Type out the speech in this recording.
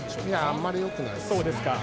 あまりよくないです。